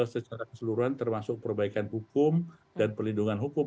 secara keseluruhan termasuk perbaikan hukum dan perlindungan hukum